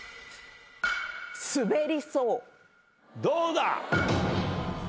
どうだ？